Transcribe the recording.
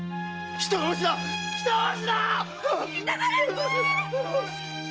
・人殺しー！